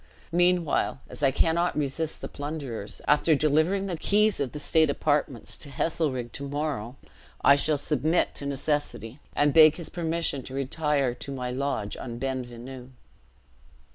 Meanwhile, as I cannot resist the plunderers, after delivering the keys of the state apartments to Heselrigge to morrow, I shall submit to necessity, and beg his permission to retire to my lodge on Ben Venu."